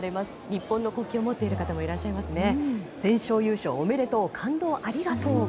日本の国旗を持っている方もいらっしゃいますね。